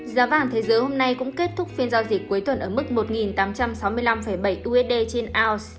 giá vàng thế giới hôm nay cũng kết thúc phiên giao dịch cuối tuần ở mức một tám trăm sáu mươi năm bảy usd trên ounce